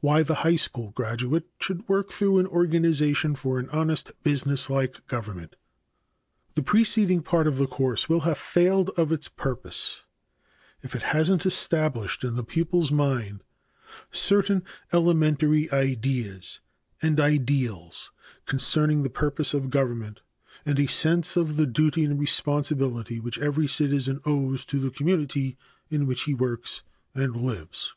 Why the high school graduate should work through an organization for an honest, business like government. The preceding part of the course will have failed of its purpose if it hasn't established in the pupil's mind certain elementary ideas and ideals concerning the purpose of government and a sense of the duty and responsibility which every citizen owes to the community in which he works and lives.